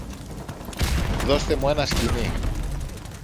Δώστε μου ένα σκοινί!